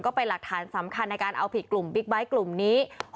ก็เป็นหลักฐานสำคัญในการเอาผิดกลุ่มบิ๊กไบท์กลุ่มนี้